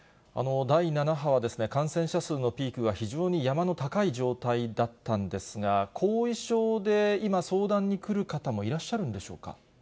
第７波は感染者数のピークが非常に山の高い状態だったんですが、後遺症で今相談に来る方もいらっしゃるんでしょうか。